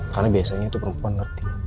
karena biasanya tuh perempuan ngerti